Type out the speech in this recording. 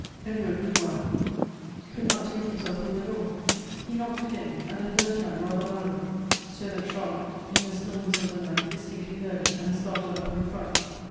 Edward, meanwhile, could not take him self from the door. He knocked again ; and a third time rather louder ; so that Charlotte, in the stillness of the night, distinctly heard it, and started up in fright.